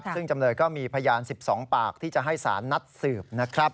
ซึ่งจำเลยก็มีพยาน๑๒ปากที่จะให้สารนัดสืบนะครับ